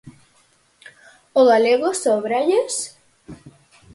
O galego sóbralles?